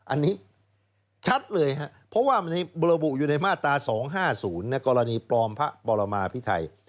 อันนี้ชัดเลยครับเพราะว่ามันระบุอยู่ในมาตรา๒๕๐ในกรณีปลอมพระบรมพิไทย